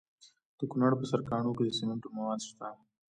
د کونړ په سرکاڼو کې د سمنټو مواد شته.